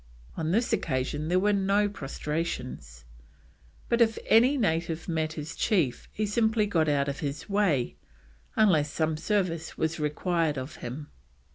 On this occasion there were no prostrations, but if any native met his chief he simply got out of the way unless some service was required of him.